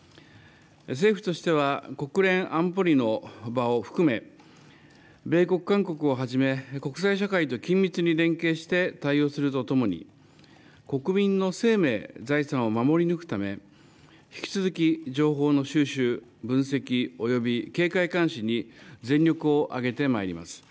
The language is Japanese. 政府としては、国連安保理の場を含め、米国、韓国をはじめ、国際社会と緊密に連携して対応するとともに、国民の生命、財産を守り抜くため、引き続き情報の収集、分析および警戒監視に全力を挙げてまいります。